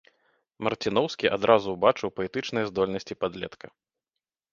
Марціноўскі адразу ўбачыў паэтычныя здольнасці падлетка.